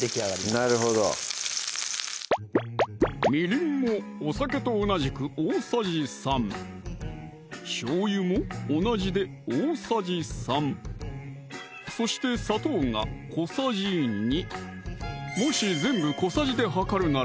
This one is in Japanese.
なるほどみりんもお酒と同じく大さじ３しょうゆも同じで大さじ３そして砂糖が小さじ２もし全部小さじで量るなら